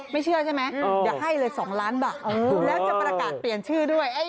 ไม่เชื่อใช่ไหมอย่าให้เลย๒ล้านบาทแล้วจะประกาศเปลี่ยนชื่อด้วย